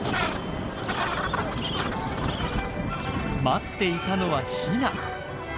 待っていたのはヒナ。